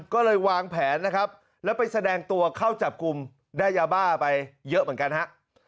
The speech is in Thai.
ก็เลยวางแผนนะครับแล้วไปแสดงตัวเข้าจับกลุ่มได้ยาบ้าไปเยอะเหมือนกันฮะ